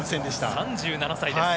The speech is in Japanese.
３７歳です。